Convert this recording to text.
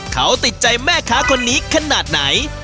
เขาติดใจแม่ค้าคนนี้ขนาดไหน